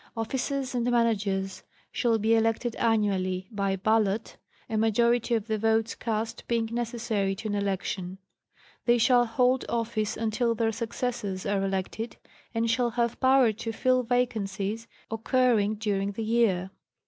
Officers and Managers shall be elected annually, by ballot, a majority of the votes cast being necessary to an elec tion ; they shall hold office until their successors are elected ; and shall have power to fill vacancies occurring during the year.